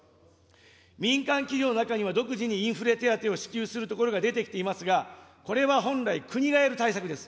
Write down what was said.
民間企業の中には、独自にインフレ手当を支給するところが出てきていますが、これは本来、国がやる対策です。